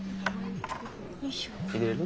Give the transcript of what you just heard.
入れる？